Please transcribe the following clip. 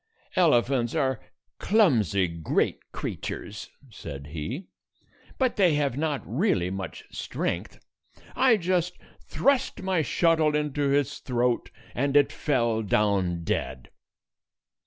"Elephants are clumsy great creatures," said he; "but they have not really much strength. I just thrust my shuttle into its throat, and it fell down dead."